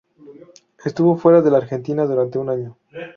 Estuvo fuera de la Argentina durante un año.